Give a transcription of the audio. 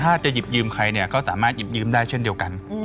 ถ้าจะหยิบยืมใครเนี่ยก็สามารถหยิบยืมได้เช่นเดียวกัน